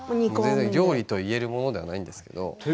全然、料理と言えるものではないんですけれど。